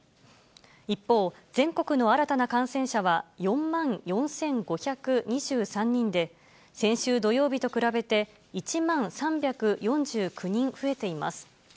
一方、全国の新たな感染者は４万４５２３人で、先週土曜日と比べて１万３４９人増えています。